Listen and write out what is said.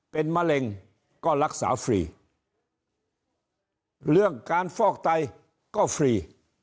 เป็นมะเร็งก็รักษาฟรีเรื่องการฟอกไตก็ฟรี